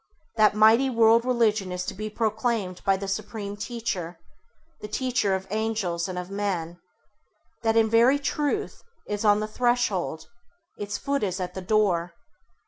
That mighty World Religion is to be proclaimed by the supreme Teacher, the Teacher of Angels and of Men; that, in very truth, is on the threshold: its foot is at the door.